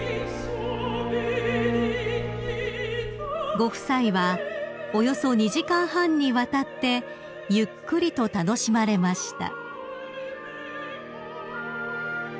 ［ご夫妻はおよそ２時間半にわたってゆっくりと楽しまれました］